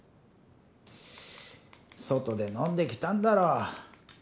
外で飲んできたんだろ。